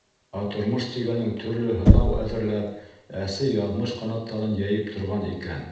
Ә тормош тигәнең төрлө һынау әҙерләп, әсе яҙмыш ҡанаттарын йәйеп торған икән.